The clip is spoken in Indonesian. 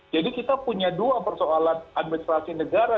jadi kita punya dua persoalan administrasi negara